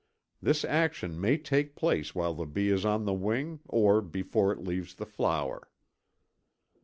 This action may take place while the bee is on the wing or before it leaves the flower.